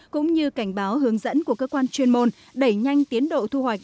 cũng như cảnh báo hướng dẫn của cơ quan chuyên môn đẩy nhanh tiến độ thu hoạch